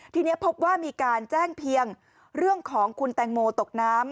ทีนี้พบว่ามีการแจ้งเพียงเรื่องของคุณแตงโมตกน้ำ